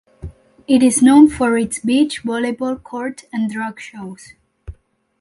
It is known for its beach volleyball court and drag shows.